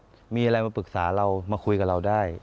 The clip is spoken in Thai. ถ้ามีอะไรมาปรึกษาเรามาคุยกับเราได้